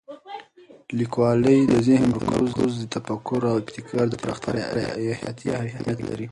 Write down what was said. لیکوالی د ذهن تمرکز، تفکر او ابتکار د پراختیا لپاره حیاتي اهمیت لري.